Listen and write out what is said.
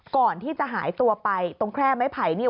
ก่อนที่จะหายตัวไปตรงแคร่ไม้ไผ่นี่